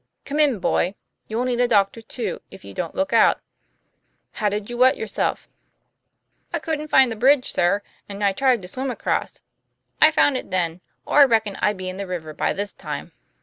Come in, boy; you'll need a doctor, too, if you don't look out. How did you wet yourself ?'" I couldn't find the bridge, sir, and I tried to swim across. I found it then, or I reckon I'd be in the river by this time."